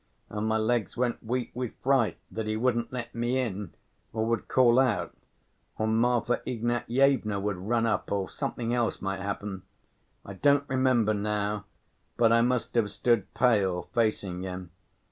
And my legs went weak with fright that he wouldn't let me in or would call out, or Marfa Ignatyevna would run up, or something else might happen. I don't remember now, but I must have stood pale, facing him.